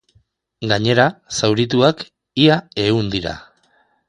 Gainera, zaurituak ia ehun dira.